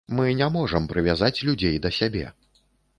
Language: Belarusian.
Мы не можам прывязаць людзей да сябе.